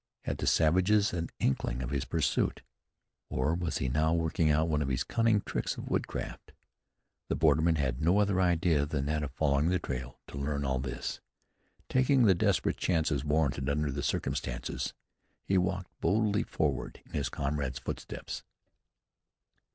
Had the savages an inkling of his pursuit? Or was he now working out one of his cunning tricks of woodcraft? The borderman had no other idea than that of following the trail to learn all this. Taking the desperate chances warranted under the circumstances, he walked boldly forward in his comrade's footsteps.